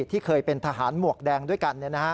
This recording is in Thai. ที่เคยเป็นทหารหมวกแดงด้วยกัน